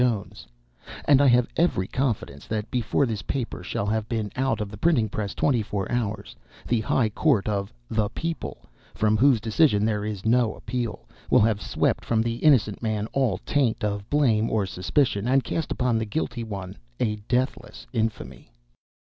Jones, and I have every confidence that before this paper shall have been out of the printing press twenty four hours, the high court of The People, from whose decision there is no appeal, will have swept from the innocent man all taint of blame or suspicion, and cast upon the guilty one a deathless infamy.